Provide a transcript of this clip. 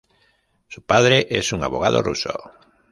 Su padre es un abogado ruso.